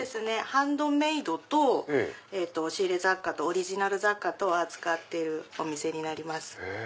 ハンドメイドと仕入れ雑貨とオリジナル雑貨等を扱ってるお店になります。